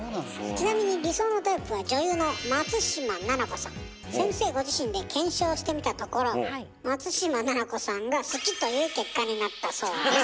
ちなみに理想のタイプは女優の先生ご自身で検証してみたところ松嶋菜々子さんが好きという結果になったそうです。